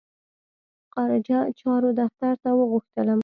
خارجه چارو دفتر ته وغوښتلم.